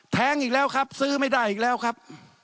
อีกแล้วครับซื้อไม่ได้อีกแล้วครับ